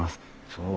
そう。